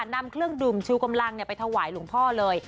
นำเครื่องดื่มชูกำลังไปถวายหลวงพ่อเลย